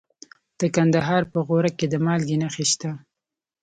د کندهار په غورک کې د مالګې نښې شته.